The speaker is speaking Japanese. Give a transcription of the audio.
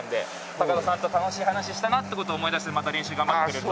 高田さんと楽しい話したなって事を思い出してまた練習頑張ってくれると。